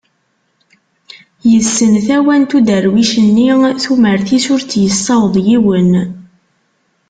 Yesssen tawant uderwic nni tumert-is ur tt-yessaweḍ yiwen.